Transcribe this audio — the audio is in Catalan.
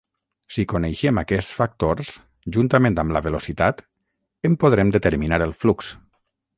Si coneixem aquests factors, juntament amb la velocitat, en podrem determinar el flux.